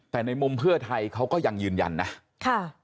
แต่ในมุมเพื่อไทยเขาก็ยังยืนยันนะค่ะ